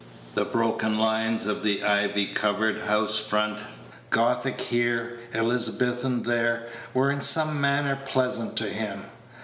The broken lines of the ivy covered house front, Gothic here, Elizabethan there, were in some manner pleasant to him.